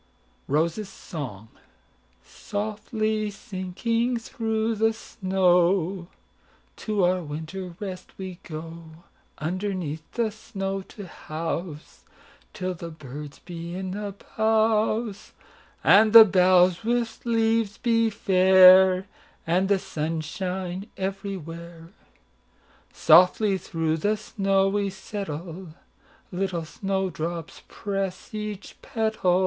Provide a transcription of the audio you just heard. ROSES' SONG"SOFTLY sinking through the snow, To our winter rest we go, Underneath the snow to houseTill the birds be in the boughs, And the boughs with leaves be fair, And the sun shine everywhere."Softly through the snow we settle, Little snow drops press each petal.